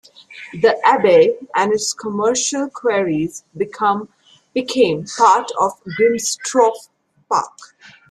The Abbey and its commercial quarries became part of Grimsthorpe Park.